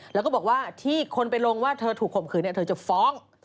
แล้วก็บอกว่าที่คนไปลงว่าเธอถูกข่มขืนเธอจะฟ้อง